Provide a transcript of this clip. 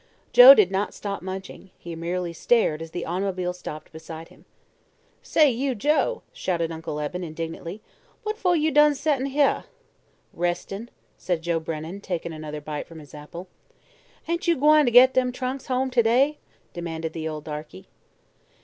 Joe did not stop munching; he merely stared as the automobile stopped beside him. "Say, you Joe!" shouted Uncle Eben indignatly, "wha' foh yo' done sett'n' heah?" "Rest'n'," said Joe Brennan, taking another bite from his apple. "Ain't yo' gwine git dem trunks home to day?" demanded the old darkey.